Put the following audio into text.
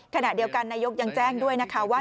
ขณะเดียวกันนายกยังแจ้งด้วยนะคะว่า